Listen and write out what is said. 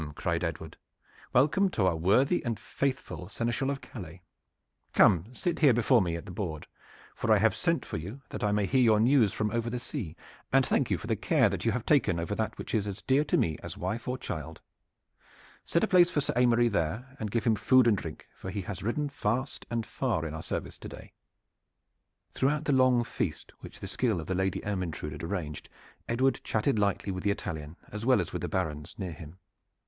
cried Edward. "Welcome to our worthy and faithful Seneschal of Calais! Come, sit here before me at the board, for I have sent for you that I may hear your news from over the sea, and thank you for the care that you have taken of that which is as dear to me as wife or child. Set a place for Sir Aymery there, and give him food and drink, for he has ridden fast and far in our service to day." Throughout the long feast which the skill of the Lady Ermyntrude had arranged, Edward chatted lightly with the Italian as well as with the barons near him.